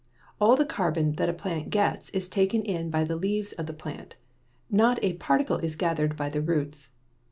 All the carbon that a plant gets is taken in by the leaves of the plant; not a particle is gathered by the roots.